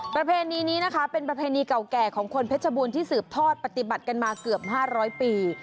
ประเพณีนี้นะคะเป็นประเพณีเก่าแก่ของคนเพชรบูรณ์ที่สืบทอดปฏิบัติกันมาเกือบ๕๐๐ปี